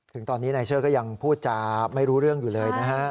ถึงตอนนี้นายเชิดก็ยังพูดจาไม่รู้เรื่องอยู่เลยนะฮะ